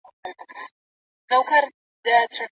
ګازرې بتاکاروتن لري.